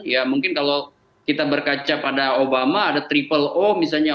ya mungkin kalau kita berkaca pada obama ada triple o misalnya